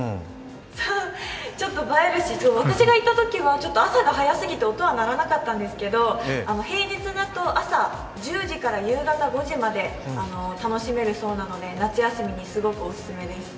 ちょっと映えるし、私が行ったときは朝が早すぎて音は鳴らなかったんですけど平日だと朝１０時から夕方５時まで楽しめるそうなので夏休みにすごいおすすめです。